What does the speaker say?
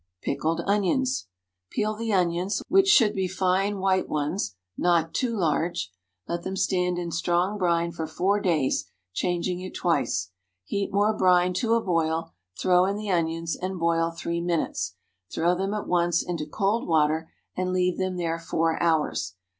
PICKLED ONIONS. Peel the onions, which should be fine white ones—not too large. Let them stand in strong brine for four days, changing it twice. Heat more brine to a boil, throw in the onions, and boil three minutes. Throw them at once into cold water, and leave them there four hours.